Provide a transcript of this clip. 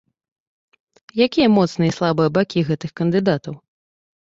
Якія моцныя і слабыя бакі гэтых кандыдатаў?